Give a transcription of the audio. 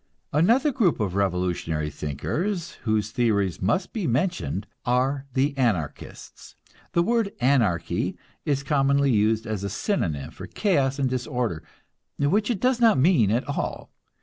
Another group of revolutionary thinkers whose theories must be mentioned are the Anarchists. The word Anarchy is commonly used as a synonym for chaos and disorder, which it does not mean at all.